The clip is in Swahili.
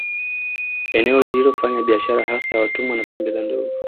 Eneo lililofanya biashara hasa ya watumwa na pembe za Ndovu